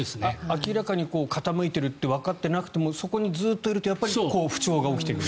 明らかに傾いているとわかっていなくてもそこにずっといると不調が起きてくると。